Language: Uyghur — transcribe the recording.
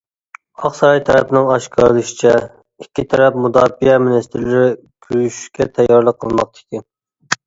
ئاق ساراي تەرەپنىڭ ئاشكارىلىشىچە، ئىككى تەرەپ مۇداپىئە مىنىستىرلىرى كۆرۈشۈشكە تەييارلىق قىلماقتا ئىكەن.